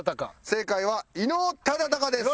正解は伊能忠敬です。